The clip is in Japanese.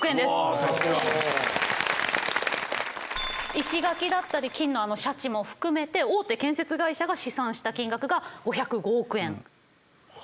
石垣だったり金のあのシャチも含めて大手建設会社が試算した金額が５０５億円。